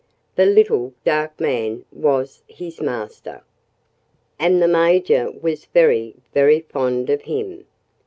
The little, dark man was his master. And the Major was very, very fond of him.